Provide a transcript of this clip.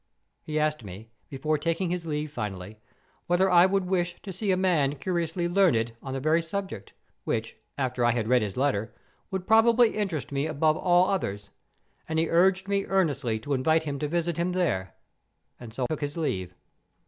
"He asked me, before taking his leave finally, whether I would wish to see a man curiously learned upon the very subject, which, after I had read his letter, would probably interest me above all others, and he urged me earnestly to invite him to visit him there; and so took his leave.